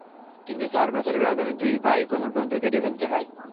কিন্তু চার বছরের ব্যবধানে দুই পা-ই কোমর পর্যন্ত কেটে ফেলতে হয়।